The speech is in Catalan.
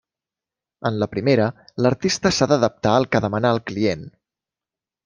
En la primera, l'artista s'ha d'adaptar al que demana el client.